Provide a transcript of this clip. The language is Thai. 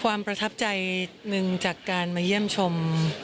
ประทับใจหนึ่งจากการมาเยี่ยมชม